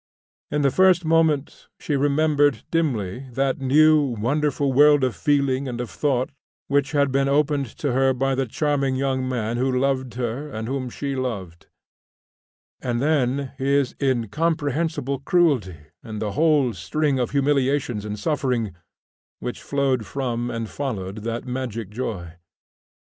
In the first moment she remembered dimly that new, wonderful world of feeling and of thought which had been opened to her by the charming young man who loved her and whom she loved, and then his incomprehensible cruelty and the whole string of humiliations and suffering which flowed from and followed that magic joy.